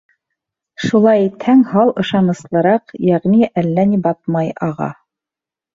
Шулай итһәң, һал ышаныслыраҡ, йәғни әллә ни батмай аға.